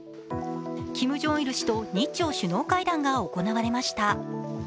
キム・ジョンイル氏と日朝首脳会談が行われました。